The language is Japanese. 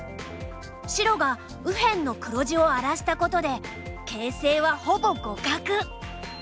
白が右辺の黒地を荒らしたことで形勢はほぼ互角。